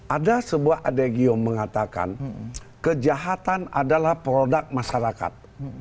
ada sebuah adegio mengatakan kejahatan adalah produk masyarakat